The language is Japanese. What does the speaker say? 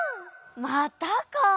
またか。